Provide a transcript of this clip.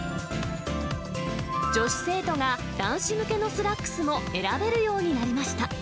女子生徒が男子向けのスラックスも選べるようになりました。